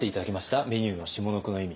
メニューの下の句の意味。